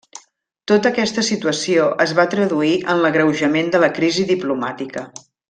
Tota aquesta situació es va traduir en l'agreujament de la crisi diplomàtica.